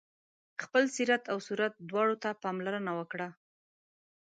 خپل سیرت او صورت دواړو ته پاملرنه وکړه.